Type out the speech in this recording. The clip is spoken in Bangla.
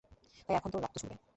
তাই এখন তোর রক্ত ঝরবে।